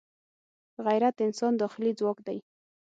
غیرت د انسان داخلي ځواک دی